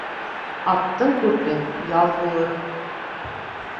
Аттың күрке ял булыр.